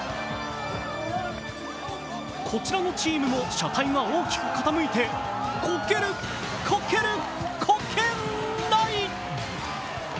こちらのチームも車体が大きく傾いてこける、こける、こけない。